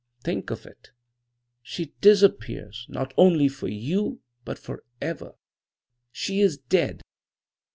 Think of it! She disappears, not only for you, but forever. She is dead.